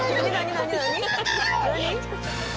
何？